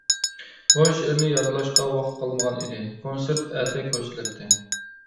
بۇ شېئىرنى يادلاشقا ۋاقىت قالمىغانىدى، كونسېرت ئەتە كۆرسىتىلەتتى.